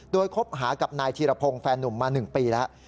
โดยคบหากับนายธีรพงศ์แฟนนุ่มมา๑ปีแล้ว